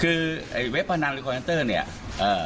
คือเว็บพะนันหรือคอร์ดเซ็นเตอร์